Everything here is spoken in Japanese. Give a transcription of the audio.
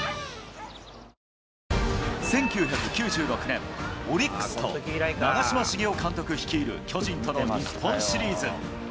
１９９６年、オリックスと、長嶋茂雄監督率いる巨人との日本シリーズ。